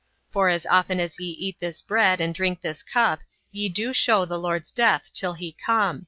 For, as often as ye eat this bread, and drink this cup, ye do show the Lord's death till he come."